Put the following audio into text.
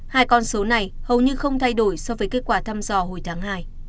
hai con số này hầu như không thay đổi so với kết quả thăm dò hồi tháng hai